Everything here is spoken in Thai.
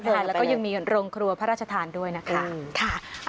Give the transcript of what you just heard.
แล้วก็ยังมีโรงครัวพระราชทานด้วยนะคะ